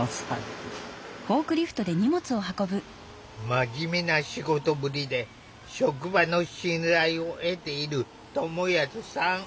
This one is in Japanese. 真面目な仕事ぶりで職場の信頼を得ている友康さん。